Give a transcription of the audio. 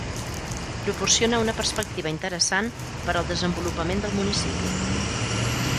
Proporciona una perspectiva interessant per al desenvolupament del municipi.